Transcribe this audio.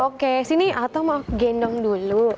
oke sini atau mau gendong dulu